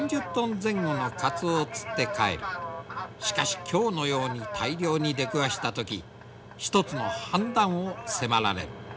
しかし今日のように大漁に出くわした時一つの判断を迫られる。